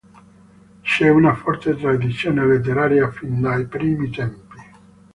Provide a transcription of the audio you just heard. C'è una forte tradizione letteraria fin dai primi tempi.